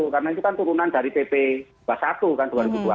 karena itu kan turunan dari pp dua puluh satu kan dua ribu dua puluh